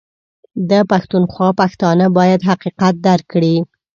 ده پښتونخوا پښتانه بايد حقيقت درک کړي